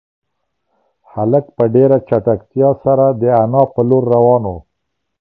هلک په ډېره چټکتیا سره د انا په لور روان و.